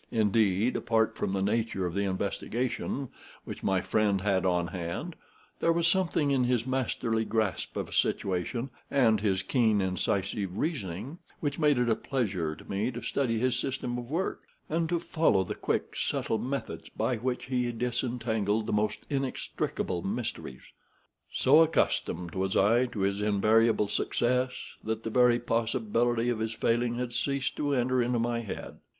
Indeed, apart from the nature of the investigation which my friend had on hand, there was something in his masterly grasp of a situation, and his keen, incisive reasoning, which made it a pleasure to me to study his system of work, and to follow the quick, subtle methods by which he disentangled the most inextricable mysteries. So accustomed was I to his invariable success that the very possibility of his failing had ceased to enter into my head.